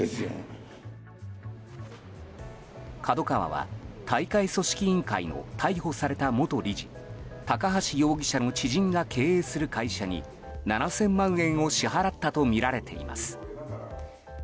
ＫＡＤＯＫＡＷＡは大会組織委員会の逮捕された元理事、高橋容疑者の知人が経営する会社に７０００万円を支払ったとみられています。